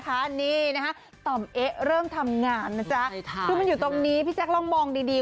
คือมันอยู่ตรงนี้พี่แจ๊คลองมองดี